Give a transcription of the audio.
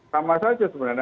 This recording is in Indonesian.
sama saja sebenarnya